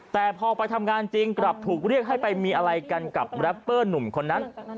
แต่พอไปทำงานจริงกลับถูกเรียกให้ไปมีอะไรกันกับแรปเปอร์หนุ่มคนนั้น